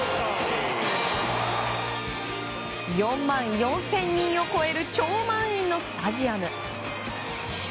４万４０００人を超える超満員のスタジアム。